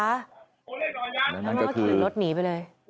แล้วนั่นคือรถหนีไปเลย